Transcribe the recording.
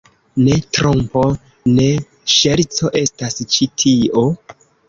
Ne trompo, ne ŝerco estas ĉi tio?